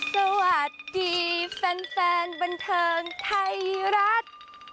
สวัสดีแฟนบันเทิงไทยรัฐ